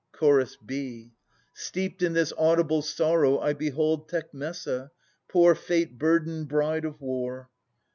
Ch. b. Steeped in this audible sorrow I behold Tecmessa, poor fate burdened bride of war.